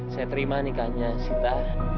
saya terima nikahnya sita